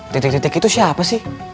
titik titik itu siapa sih